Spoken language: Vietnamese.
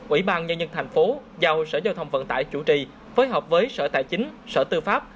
ủy ban nhân dân thành phố giao sở giao thông vận tải chủ trì phối hợp với sở tài chính sở tư pháp